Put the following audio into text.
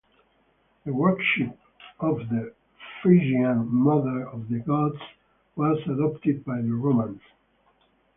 The worship of the Phrygian Mother of the Gods was adopted by the Romans.